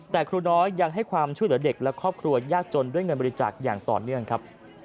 แต่ครูน้อยยังให้ความช่วยเหลือเด็กและครอบครัวยากจนด้วยเงินบริจาคอย่างต่อเนื่องครับ